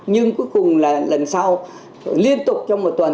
nhưng cuối cùng là lần sau liên tục trong một tuần